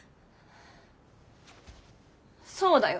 そうだよ。